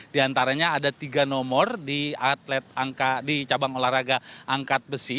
di antaranya ada tiga nomor di cabang olahraga angkat besi